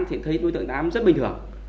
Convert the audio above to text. thì thấy đối tượng tám rất bình thường